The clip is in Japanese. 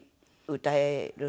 歌える？